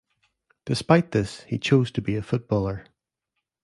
Despite this, he chose to be a footballer.